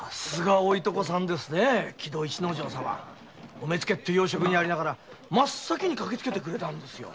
お目付って要職にありながら真っ先に駆けつけてくれたんです。